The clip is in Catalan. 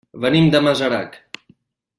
Venim de Masarac.